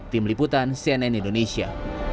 tim liputan cnn indonesia